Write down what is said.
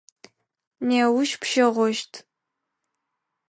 Неущ пщэгъощт.